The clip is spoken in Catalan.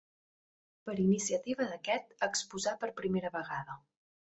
Per iniciativa d'aquest exposà per primera vegada.